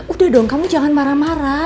udah dong kamu jangan marah marah